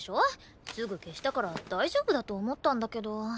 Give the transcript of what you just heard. すぐ消したから大丈夫だと思ったんだけど。